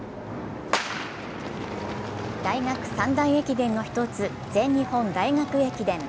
大学三大駅伝の１つ全日本大学駅伝。